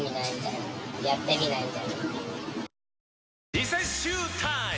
リセッシュータイム！